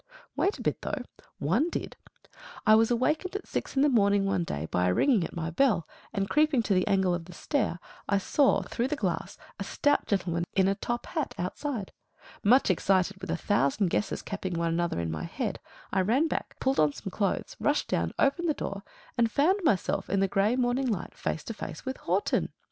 Wait a bit, though! One did. I was awakened at six in the morning one day by a ringing at my bell, and creeping to the angle of the stair I saw through the glass a stout gentleman in a top hat outside. Much excited, with a thousand guesses capping one another in my head, I ran back, pulled on some clothes, rushed down, opened the door, and found myself in the grey morning light face to face with Horton.